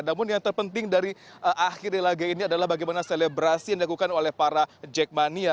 namun yang terpenting dari akhir laga ini adalah bagaimana selebrasi yang dilakukan oleh para jackmania